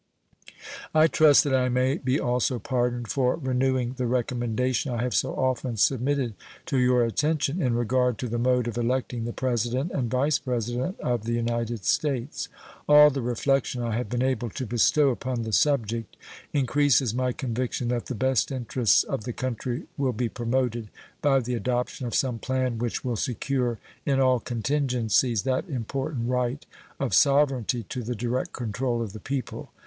I trust that I may be also pardoned for renewing the recommendation I have so often submitted to your attention in regard to the mode of electing the President and Vice President of the United States. All the reflection I have been able to bestow upon the subject increases my conviction that the best interests of the country will be promoted by the adoption of some plan which will secure in all contingencies that important right of sovereignty to the direct control of the people.